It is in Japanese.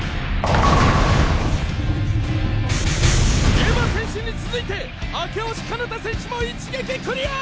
エヴァ選手に続いて明星かなた選手も一撃クリア！！